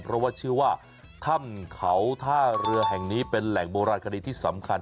เพราะว่าชื่อว่าถ้ำเขาท่าเรือแห่งนี้เป็นแหล่งโบราณคดีที่สำคัญ